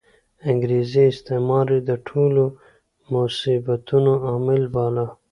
انګریزي استعمار یې د ټولو مصیبتونو عامل باله.